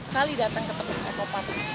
kali datang ke tebet eco park